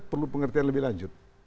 perlu pengertian lebih lanjut